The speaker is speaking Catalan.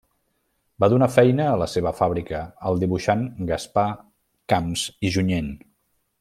Va donar feina a la seva fàbrica al dibuixant Gaspar Camps i Junyent.